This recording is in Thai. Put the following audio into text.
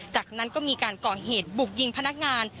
จากนั้นก็มีการก่อเหตุบุกยิงพนักงาน